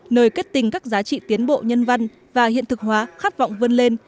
nơi kết tình các giá trị tiến bộ nhân văn và hiện thực hóa khát vọng vươn lên